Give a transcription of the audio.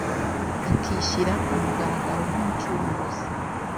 akishyira ku mugaragaro nk'Umucunguzi